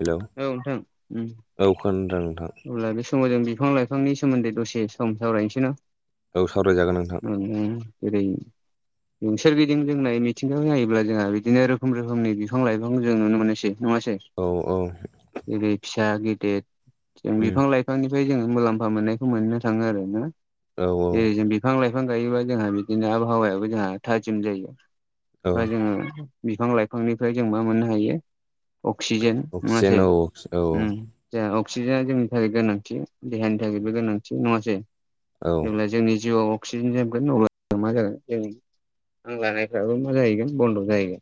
Hello औ नोंथां उम औ खोनादों नोंथां अब्ला बे समाव जों बिफां लाइफांनि सोमोन्दै दसे सम सावरायनोसैन'? औ सावरायजागोन नोंथां ओम जेरै नों सोरगिदिं जोंनाय मिथिंगायावखौ नायोब्ला जोंहा बिदिनो रोखोम रोखोमनि बिफां लाइफांखौ जों नुनो मोनोसै नङासै? औ औ। जेरै फिसा गेदेर जों उम बिफां लाइफां बिफांनिफ्राय जोङो मुलाम्फा मोननायखौ मोननो थाङो आरो ना। औ जेरै जों बे बिफां लाइफां गायोबा जोंहा बिदिनो आबहावायाबो जोंहा थाजिम जायो। औ बा जोङो बिफां लाइफांनिफ्राय जों मा मोननो हायो अक्सिजेन अक्सिजेन नङासै? औ उम। जों अक्सिजेना जोंनि थाखाय गोनांथि देहानि थाखायबो गोनांथि नङासै? औ जेब्ला जोंनि जिउआव अक्सिजेन जोबगोन अब्ला मा जागोन जों हां लानायफ्राबो मा जाहैगोन बन्द' जाहैगोन।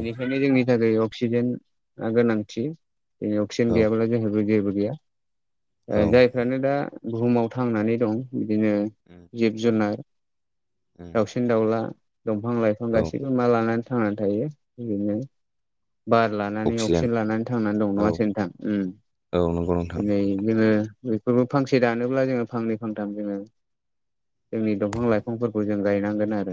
बेनिखायनो जोंनि थाखाय अक्सिजेनआ गोनांथि। दिनै अक्सिजेन औ गैयाबाला जोंहाबो जेबो गैया। ओ औ जायफ्रानो दा बुहुमाव थांनानै दं बिदिनो उम जिब जुनार उम दाउसिन दाउला दंफां लाइफां औ गासिबो मा लानानै थांनानै थायो बिरनो बार लानानै अक्सिजेन लानानै। थांनानै दं औ नङासै नोंथां? ओम औ नंगौ नोंथां दिनै जोङो बेफोरखौ फांसे दानोब्ला जोङो फांनै फांथाम जोङो जोंनि दंफां लाइफांफोरखौ जों गायनांगोन आरो।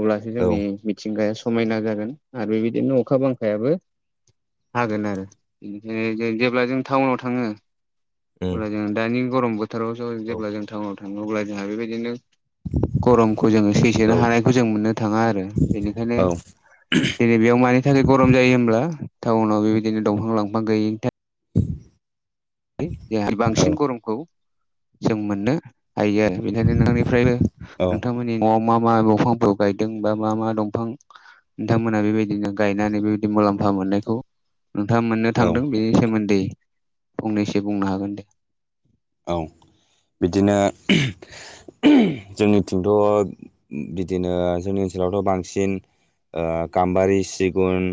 अब्लासो औ जोंनि उम मिथिंगाया समायना जागोन आरो बिदिनो अखा बांखायाबो हागोन आरो। बेनिखायनो जों जेब्ला जों टाउनाव थाङो अब्ला औ जों दानि गरम बोथोराव ज' औ जेब्ला जों टाउनाव थाङो अब्ला जोंहा बेबायदिनो गरमखौ जोङो सैसोनो हानायखौ जों मोननो थाङा आरो बेनिखायनो दिनै बेयाव मानि थाखाय गरम जायो होमब्ला टाउनाव बेबायदिनो दंफां लांफां गैयिनि थाख खाय औ बांसिन गरमखौ जों मोननो हायो आरो। बेनिखायनो नोंथांनिफ्रायबो औ नोंथां मोननि न'आव मा मा दंफांफोर गायदों बा मा मा दंफां नोंथांमोना बेबायदिनो गायनानै बेबायदि मुलाम्फा मोननायखौ नोंथाङा मोननो औ थांदों बेनि सोमोन्दै फंनैसो बुंनो हागोन दे। औ बिदिनो जोंनिथिंथ' बिदिनो जोंनि ओनसोलावथ' बांसिन ओ गाम्बारि सिगुन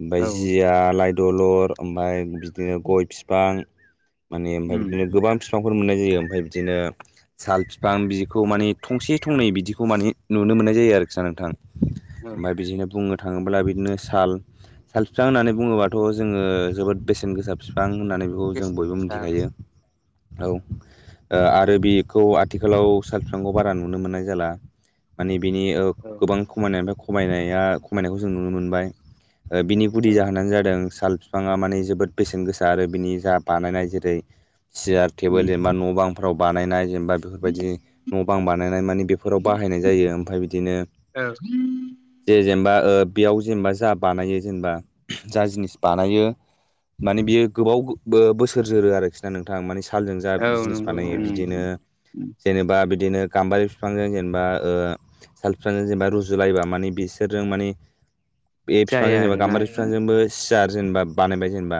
ओमफाय औ जिया लाइ दलर ओमफाय बिदिनो गय फिफां माने ओमफाय उम बिदिनो गोबां फिफांफोर मोननाय जायो ओमफाय बिदिनो साल फिफां बिखौ औ माने थंसे थंनै बिदिखौ माने नुनो मोननाय जायो आरोखि ना नोंथां औ ओमफाय बिदिनो बुंनो थाङोब्ला बिदिनो साल साल बिफां होननानै बुङोबाथ' औ जोङो जोबोद बेसेन गोसा बिफां होननानै बेखौ जों बेसेन बयबो गोसा मिथिखायो। औ ओ आरो बेखौ आथिखालाव साल बिफांखौ बारा नुनो मोननाय जाला। माने बिनि ओ औ गोबां खमायनायनिफ्राय खमायनाया खमायनायखौ जों नुनो मोनबाय। ओ बिनि गुदि औ जाहोनानो जादों साल फिफाङा माने जोबोद बेसेन गोसा आरो बिनि जा बानायनाय जेरै सियार टेबोल उम जेनेबा न' बांफोराव बानायनाय जेनेबा बेफोरबायदि न' बां बानायनाय मानि बेफोराव बाहायनाय जायो ओमफाय बिदिनो औ जे जेनेबा ओ बेयाव जेनेबा जा बानायो जेनेबा जा जिनिस बानायो। माने बियो गोबाव बोसोर जोरो आरोखि। गोथां माने सालजों जा औ जिनिस नंगौ बानायो उम बिदिनो उम जेनेबा बिदिनो गाम्बारि बिफांजों जेनेबा ओ साल फिफांजों जेनबा रुजुलायबा माने बिसोरजों मानि बे जाया फिफांजों जेनेबा आरोना गाम्बारि फिफांजोंबो सियार जेनेबा बानायबाय जेनेबा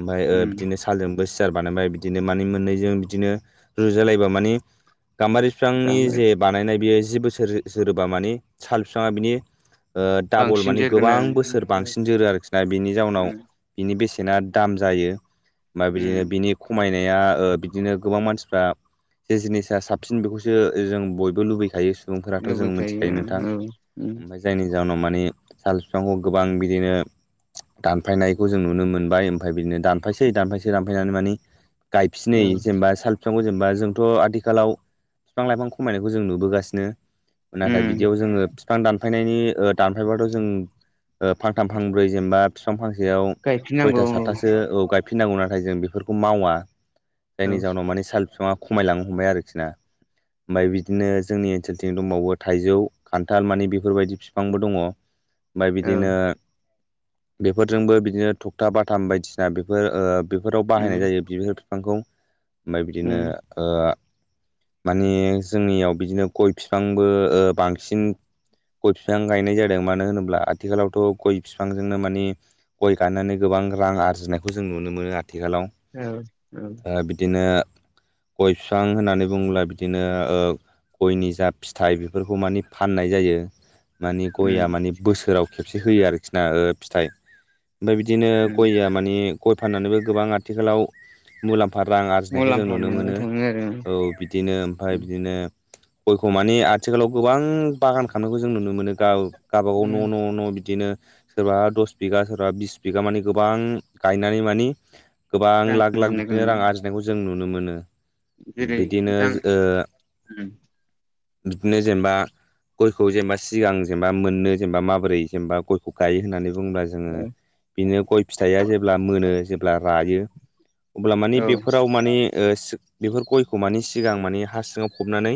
ओमफाय ओ उम बिदिनो सालजोंबो सियार बानायबाय बिदिनो माने मोननैजों बिदिनो रुजालायबा मानि गाम्बारि फिफांनि गांबाय जे बानायनाय बियो जि बोसोर जोरोबा मानि साल फिफाङा बिनि ओ डाबल बांसिन मानि जोरगोन गोबां आरो बोसोर बांसिन जोरो आरोखि ना बिनि जाउनाव उम बिनि बेसेना दाम जायो ओमफाय बिदिनो उम नि खमायनाया ओ बिदिनो गोबां मानसिफ्रा जे जिनिसा साबसिन बेखौसो जों बयबो लुबैखायो सुबुंफोराथ' जों लुबैखायो मिथिखायो नोंथां औ उम ओमफाय जायनि जाहोनाव माने साल फिफांखौ गोबां बिदिनो दानफायनायखौ जों नुनो मोनबाय ओमफाय बिदिनो दानफायसै दानफायसै दान फायनानै माने गायफिनै औ जेनेबा साल बिफांखौ जेनेबा जोंथ' आथिखालाव बिफां लाइफां खमायनायखौ जों नुबोगासिनो नाथाय उम बिदियाव जोङो बिफां दानफायनायनि ओ दानफायबाथ' जों ओ फांथाम फांब्रै जेनेबा बिफां फांसेयाव गायफिननांगौ सयथा औ सातथासो औ गाय फिननांगौ नाथाय जों बेफोरखौ मावा औ जायनि जाउनाव माने साल बिफाङा खमायलांनो हमबाय आरोखि ना। ओमफाय बिदिनो जोंनि ओनसोलथिं दंबावो थाइजौ खान्थाल मानि बेफोरबायदि फिफांबो दङ ओमफाय औ बिदिनो बेफोरजोंबो बिदिनो थखथा बाथाम बायदिसिना बेफोर ओ बे फोराव बाहायनाय उम जायो बिबार बिफांखौ ओमफ्राय बिदिनो उम ओ माने जोंनियाव बिदिनो गय फिफांबो ओ बांसिन गय फिफां गायनाय जादों मानो होनोब्ला आथिखालावथ' गय फिफांजोंनो मानि गय गाननानै गोबां रां आरजिनायखौ जों नुनो मोनो आथिखालाव। औ औ ओ बिदिनो गय फिफां होननानै बुङोब्ला बिदिनो ओ गयनि जा फिथाइ बेफोरखौ माने फाननाय जायो। मानि गया उम मानि बोसोराव खेबसे होयो आरोखि ना ओ फिथाइ ओमफाय बिदिनो उम गया माने गय फाननानैबो गोबां आथिखालाव मुलाम्फा रां आरजिनायखौ जों मुलाम्फा नुनो मोननो मोनो थाङो आरो औ बिदिनो ओमफाय बिदिनो गयखौ माने आथिखालाव गोबां बागान खालामनायखौ जों नुनो मोनो गाव गावबागाव न' न' न' बिदिनो सोरबा दस बिगा सोरबा बिस बिगा मानि गोबां गायनानै मानि गोबां रां लाख-लाख आरजिनायखौ बिदिनो नुनो रां आरजिनायखौ जों नुनो मोनो। जेरै बिदिनो नोंथां ओ बिदिनो जेनेबा गयखौ जेनेबा सिगां जेनेबा मोननो जेनेबा माबोरै जेनेबा गयखौ गायो होननानै बुङोब्ला जोङो औ बिदिनो गय फिथाइया जेब्ला मोनो जेब्ला रायो अब्ला माने बेफोराव माने ओ बेफोर गयखौ माने सिगां माने हासिङाव फबनानै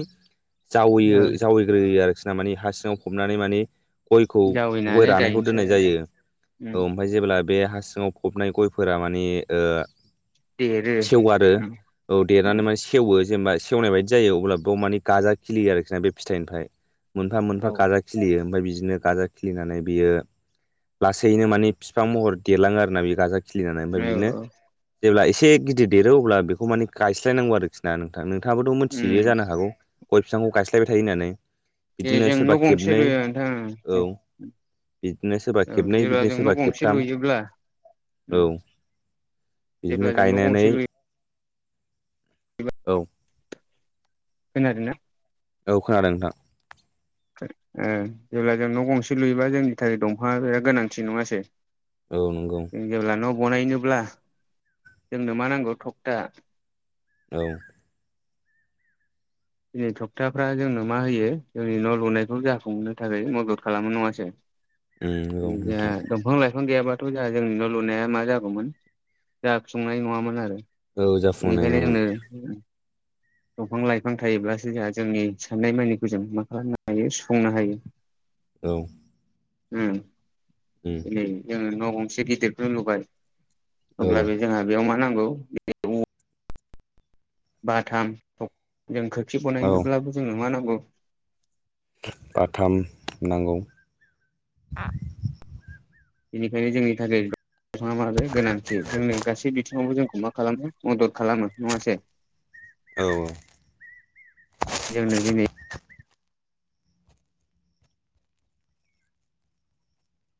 जावैयो औ जावै ग्रोयो आरोखि ना माने हा सिङाव फबनानै माने गयखौ गय जावैनानै रानायखौ गायनोसै दोननाय जायो औ ओमफाय जेब्ला बे हा सिङाव फबनाय गयफोरा माने ओ देरो सेवो आरो औ देरनानै माने सेवो जेनेबा सेवनाय बायदि जायो अब्ला बेयाव मानि गाजा खिलियो आरोखि ना बे फिथाइनिफ्राय। मोनफा औ मोनफा गाजा खिलियो ओमफाय बिदिनो गाजा खिलिनानै बियो लासैनो माने फिफां महर देरलाङो आरोना बेयो गाजा खिलिनान। औ ओमफ्राय बिदिनो औ जेब्ला एसे गिदिर देरो अब्ला बेखौ माने गायस्लायनांगौ आरोखि। ना नोंथां नोंथाङाबोथ' मोन्थियो जानो हागौ गय फिफांखौ गायस्लायबाय थायो होननानै। दे बिदिनो जों न' सोरबा गंसे खेबनै लुयो नोंथां औ। बिदिनो सोरबा औ खेबनै जेब्ला बिदिनो जों न' सोरबा गंसे खेबथाम लुयोब्ला औ। जेब्ला बिदिनो जों न' गायनानै गंसे लुयो औ। खोनादोंना? औ खोनादों नोंथां ओ जेब्ला जों न' गंसे लुयोबा जोंनि थाखाय दंफाङआ बिराद गोनांथि नङासै। औ नोंगौ। जों जेब्ला न' बनायनोब्ला जोंनो मा नांगौ थकथा। औ। दिनै थक्टाफ्रा जोंनो मा होयो जोंनि न' लुनायखौ जाफुंहनो थाखाय मदद खालामो नङासै। उम नंगौ जाहा नोंथां दंफां लायफां गैयाबा थ' जाहा जोंनि न' लुनाया मा जागौमोन जाफुंनाय नङामोन आरो। औ जाफुंनाय इनिखायनो नङामोन जोंनो दंफां लाइफां थायोब्लासो जोंहा जोंनि साननाय मानिखौ जों मा खालामनो हायो सुफुंनो हायो। [inaudible] औ। उम। उम। उम जोङो न' गंसे गिदिरखोनो लुबाय औ अब्ला बे जोंहा बेयाव मा नांगौ बाथाम थक जों खोरखि औ बनायनोब्लाबो जोंनो मा नांगौ बाथाम नांगौ। बेनिखायनो जोंनि थाखै [unintelligible] गोनांथि जोंनो गासै फिफांखौ जोंखौ मा खालामो मदद खालामो नङासे। औ। जोंनो दिनै